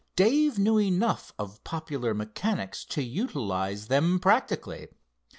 Dave knew enough of popular mechanics to utilize them practically.